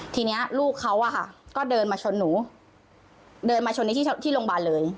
ทีนี้ลูกเขาก็เดินมาชนหนูเดินมาชนในที่โรงพยาบาลเลย